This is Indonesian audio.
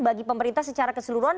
bagi pemerintah secara keseluruhan